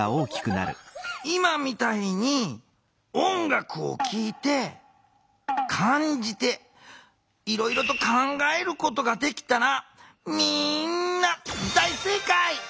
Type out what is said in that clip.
今みたいに音楽を聴いて感じていろいろと考えることができたらみんな大正解！